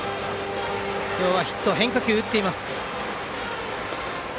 今日はヒット変化球を打っています。